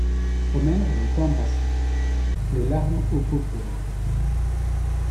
Omer l'eût embrassée, les larmes aux paupières.